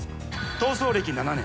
逃走歴７年。